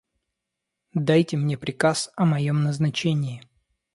Дайте мне приказ о моем назначении.